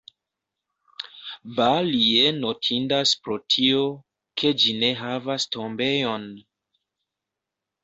Bas-Lieu notindas pro tio, ke ĝi ne havas tombejon.